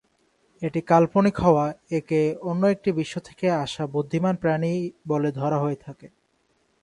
এটি কাল্পনিক হওয়া, একে অন্য একটি বিশ্ব থেকে আসা বুদ্ধিমান প্রাণী বলে ধরা হয়ে থাকে।